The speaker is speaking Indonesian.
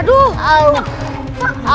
aduh si nurman